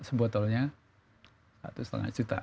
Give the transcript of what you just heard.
sebotolnya satu lima juta